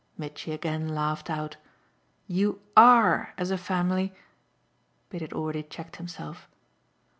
Mitchy again laughed out. "You ARE, as a family !" But he had already checked himself.